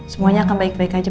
semuanya akan baik baik aja